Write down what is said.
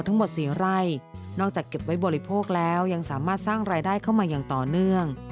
ทั้งหมด๔ไร่นอกจากเก็บไว้บริโภคแล้วยังสามารถสร้างรายได้เข้ามาอย่างต่อเนื่อง